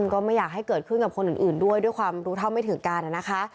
ก็ไม่อยากให้เกิดขึ้นกับคนอื่นด้วยด้วยความรู้เท่าไม่ถึงการนะคะ